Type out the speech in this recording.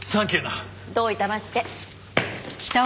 どういたまして。